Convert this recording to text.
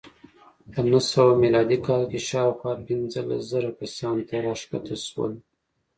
په نهه سوه میلادي کال کې شاوخوا پنځلس زره کسانو ته راښکته شول